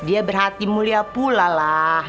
dia berhati mulia pula lah